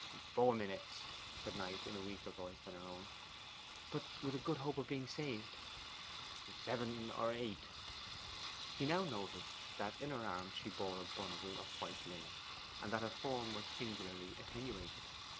'Four minutes,' said Knight in a weaker voice than her own. 'But with a good hope of being saved?' 'Seven or eight.' He now noticed that in her arms she bore a bundle of white linen, and that her form was singularly attenuated.